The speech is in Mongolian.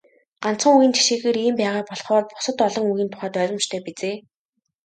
Ганцхан үгийн жишээгээр ийм байгаа болохоор бусад олон үгийн тухайд ойлгомжтой биз ээ.